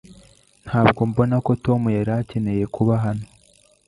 Ntabwo mbona ko Tom yari akeneye kuba hano